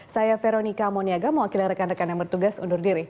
saya veronica moniaga mewakili rekan rekan yang bertugas undur diri